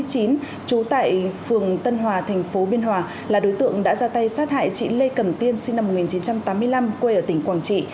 trú tại phường tân hòa thành phố biên hòa là đối tượng đã ra tay sát hại chị lê cẩm tiên sinh năm một nghìn chín trăm tám mươi năm quê ở tỉnh quảng trị